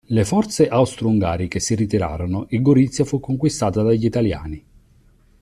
Le forze austro-ungariche si ritirarono, e Gorizia fu conquistata dagli italiani.